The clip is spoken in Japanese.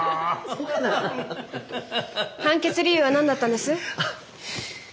判決理由は何だったんです？